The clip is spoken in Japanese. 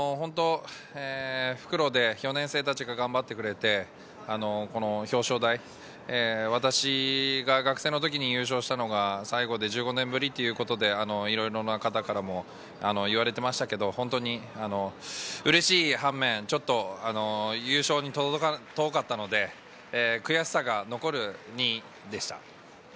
復路で４年生たちが頑張ってくれて、この表彰台、私が学生のときに優勝したのが最後で１５年ぶりということで、いろいろな方からも言われていましたけれど、本当に嬉しい反面、ちょっと優勝に遠かったので、悔しさが残る２位でした。